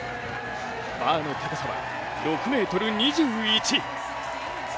バーの高さは６ｍ２１。